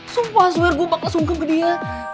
sumpah swear gua bakal sungkep ke dia